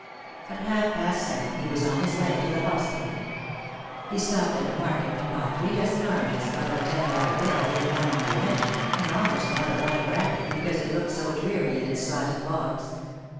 At half past seven he was on his way to the hospital. He stopped at the market and bought three dozen oranges out of a ten dollar bill he had won on the election, and almost bought a live rabbit because it looked so dreary in its slatted box.